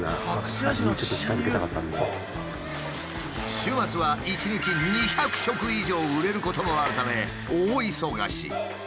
週末は１日２００食以上売れることもあるため大忙し。